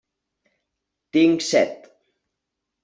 Tinc set.